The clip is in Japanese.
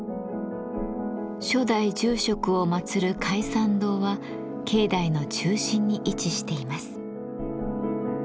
初代住職を祭る開山堂は境内の中心に位置しています。